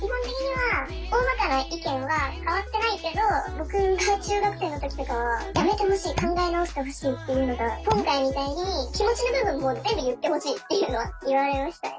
僕が中学生の時とかはやめてほしい考え直してほしいっていうのが今回みたいに気持ちの部分も全部言ってほしいっていうのは言われましたね。